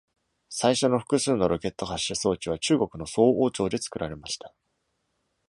最初の複数のロケット発射装置は中国の宋王朝で作られました。